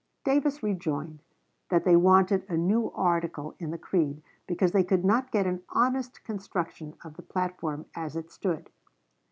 Davis rejoined, that they wanted a new article in the creed because they could not get an honest construction of the platform as it stood.